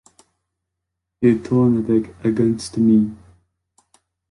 Ils tournent avec Against Me!